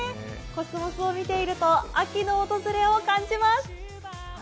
コスモスを見ていると秋の訪れを感じます。